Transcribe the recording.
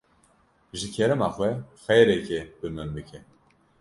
Ji kerema xwe xêrekê bi min bike.